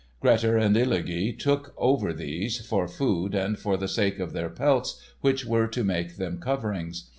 Grettir and Illugi took over these, for food and for the sake of their pelts which were to make them coverings.